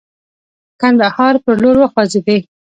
کندهار پر لور وخوځېدی.